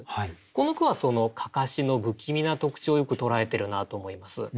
この句はその案山子の不気味な特徴をよく捉えてるなと思います。